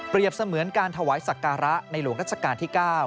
เปรียบเสมือนการถวายศักราะในหลวงรัชกาลที่๙